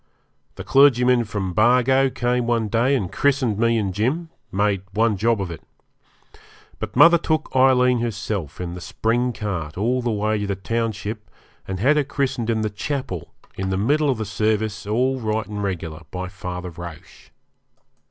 The clergyman from Bargo came one day and christened me and Jim made one job of it. But mother took Aileen herself in the spring cart all the way to the township and had her christened in the chapel, in the middle of the service all right and regular, by Father Roche.